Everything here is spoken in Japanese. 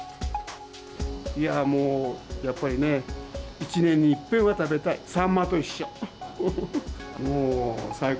いやもう、やっぱりね、１年にいっぺんは食べたい、サンマと一緒。